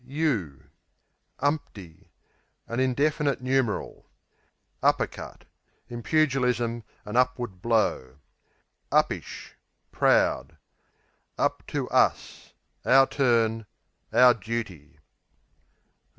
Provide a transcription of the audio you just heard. Umpty An indefinite numeral. Upper cut In pugilism, an upward blow. Uppish Proud. Up to us Our turn; our duty.